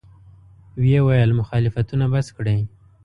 ویې ویل: مخالفتونه بس کړئ.